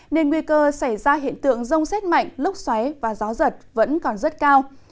nên nguy cơ xảy ra hiện tượng rông xét mạnh lúc xoáy và gió giật vẫn còn rất cao